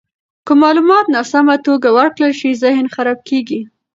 که معلومات ناسمه توګه ورکړل شي، ذهن خراب کیږي.